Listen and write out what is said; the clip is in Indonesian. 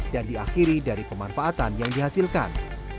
dan diakhiri dari pemanfaatan yang dihasilkan